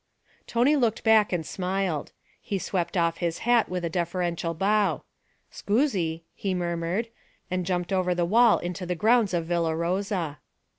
Tony looked back and smiled. He swept off his hat with a deferential bow. 'Scusi,' he murmured, and jumped over the wall into the grounds of Villa Rosa.